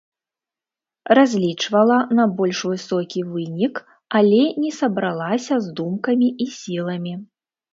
Разлічвала на больш высокі вынік, але не сабралася з думкамі і сіламі.